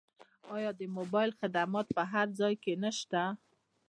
آیا موبایل خدمات په هر ځای کې نشته؟